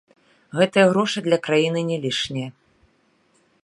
Гэтыя грошы для краіны не лішнія.